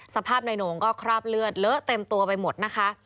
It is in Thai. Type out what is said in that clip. สภาพนายโหน่งก็คราบเลือดเลอะเต็มตัวไปหมดนะคะ